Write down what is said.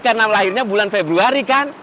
karena lahirnya bulan februari kan